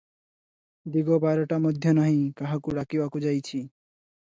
ଦିଗବାରଟା ମଧ୍ୟ ନାହିଁ, କାହାକୁ ଡାକିବାକୁ ଯାଇଛି ।